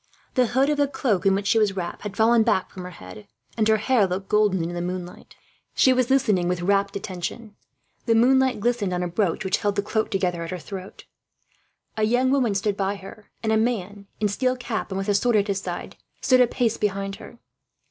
The hood of the cloak in which she was wrapped had fallen back from her head, and her hair looked golden in the moonlight. She was listening with rapt attention. The moonlight glistened on a brooch, which held the cloak together at her throat. A young woman stood by her; and a man, in steel cap and with a sword at his side, stood a pace behind her.